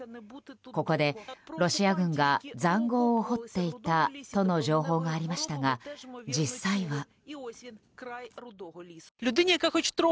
ここでロシア軍が塹壕を掘っていたとの情報がありましたが実際は。